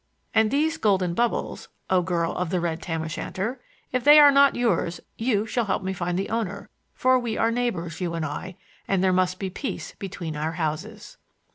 And these golden bubbles (O girl of the red tam o' shanter!), if they are not yours you shall help me find the owner, for we are neighbors, you and I, and there must be peace between our houses."